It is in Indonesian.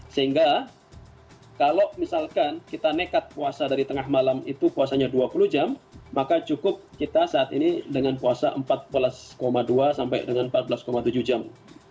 sehingga kalau misalkan kita nekat puasa dari tengah malam itu puasanya dua puluh jam maka cukup kita saat ini dengan puasa empat belas dua sampai dengan empat belas tujuh jam